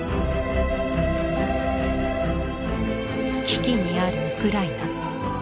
危機にあるウクライナ。